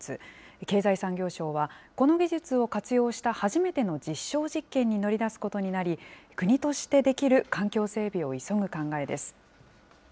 経済産業省はこの技術を活用した初めての実証実験に乗り出すことになり、国としてできる環境整備を急ぐ考えです。